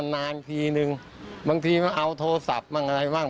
นานทีนึงบางทีมาเอาโทรศัพท์บ้างอะไรบ้าง